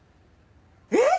えっ！？